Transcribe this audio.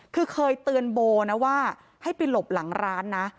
คือเคยเตือนโบนะว่าให้ไปหลบหลังร้านนะ